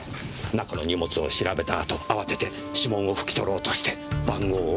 中の荷物を調べた後慌てて指紋をふき取ろうとして番号を動かしてしまった。